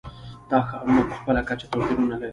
دا ښارونه په خپله کچه توپیرونه لري.